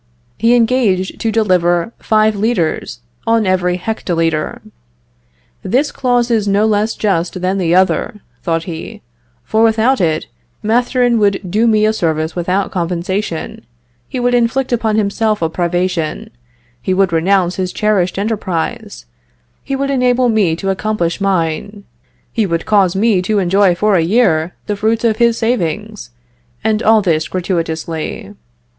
He engaged to deliver five litres on every hectolitre. "This clause is no less just than the other," thought he; "for without it Mathurin would do me a service without compensation; he would inflict upon himself a privation he would renounce his cherished enterprise he would enable me to accomplish mine he would cause me to enjoy for a year the fruits of his savings, and all this gratuitously.